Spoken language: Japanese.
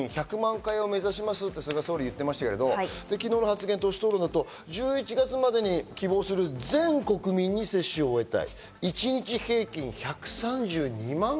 １００万回を目指しますと菅総理は言ってましたけど、昨日の党首討論の発言で１０月から１１月には希望する全国民に接種を終えたい。